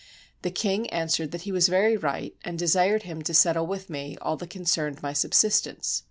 The king answered that he was very right, and desired him to settle with me all that concerned my subsistence.